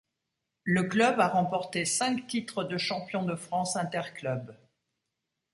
Le club a remporté cinq titres de champion de France interclubs.